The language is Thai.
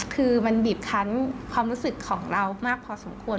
คือมันบีบคันความรู้สึกของเรามากพอสมควร